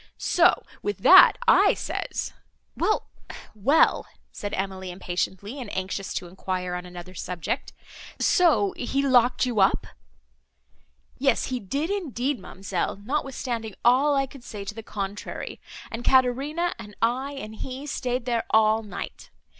So, with that I says—" "Well, well," said Emily, impatiently, and anxious to enquire on another subject,—"so he locked you up?" "Yes, he did indeed, ma'amselle, notwithstanding all I could say to the contrary; and Caterina and I and he staid there all night.